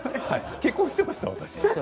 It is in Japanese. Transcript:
結婚していました私。